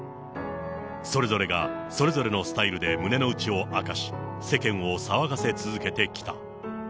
それぞれがそれぞれのスタイルで胸の内を明かし、世間を騒がせ続けてきた。